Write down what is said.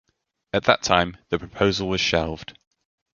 At that time, the proposal was shelved.